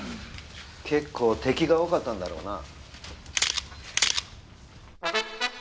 結構敵が多かったんだろうな。